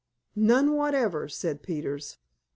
"None whatever," said Peters.